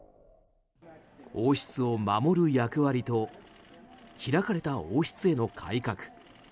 王室を守る役割と開かれた王室への改革。